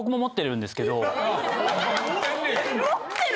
持ってる！？